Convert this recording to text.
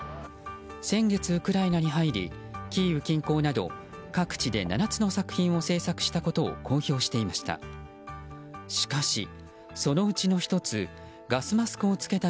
先月ウクライナに入りキーウ近郊など各地で７つの作品を制作したことを公表していました。